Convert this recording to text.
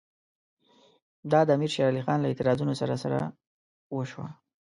دا د امیر شېر علي خان له اعتراضونو سره سره وشوه.